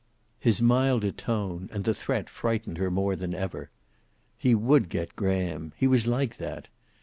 His milder tone and the threat frightened her more than ever. He would get Graham; he was like that.